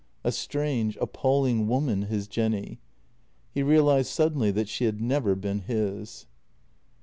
A strange, apalling woman, his Jenny. He realized suddenly that she had never been his.